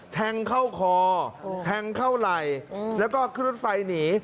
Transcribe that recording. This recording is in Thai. แทงเข้าคอแทงเข้าไหล่แล้วก็ขึ้นรถไฟหนี